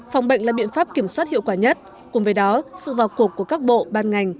phòng bệnh là biện pháp kiểm soát hiệu quả nhất cùng với đó sự vào cuộc của các bộ ban ngành